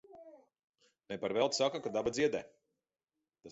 Ne par velti saka, ka daba dziedē.